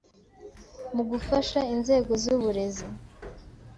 mu gufasha inzego z’uburezi